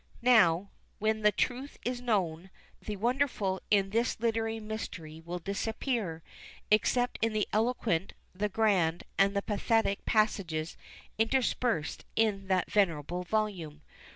Now when the truth is known, the wonderful in this literary mystery will disappear, except in the eloquent, the grand, and the pathetic passages interspersed in that venerable volume.